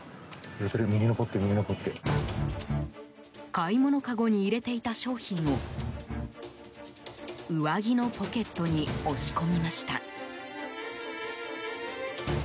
買い物かごに入れていた商品を上着のポケットに押し込みました。